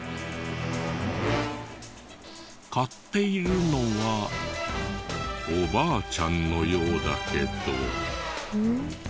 買っているのはおばあちゃんのようだけど。